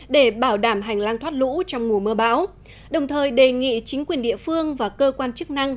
để bảo đảm hành lang thoát lũ trong mùa mưa bão đồng thời đề nghị chính quyền địa phương và cơ quan chức năng